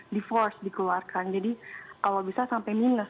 di force dikeluarkan jadi kalau bisa sampai minus